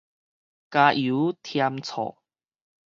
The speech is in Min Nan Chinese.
加油添醋